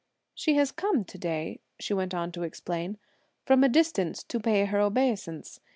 "She has come to day," she went on to explain, "from a distance to pay her obeisance.